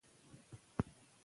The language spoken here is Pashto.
ښاري کلتور مراعات کړئ.